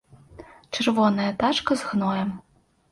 Чырвоная тачка з гноем.